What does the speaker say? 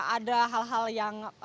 ada hal hal yang